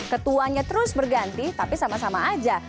ketuanya terus berganti tapi sama sama aja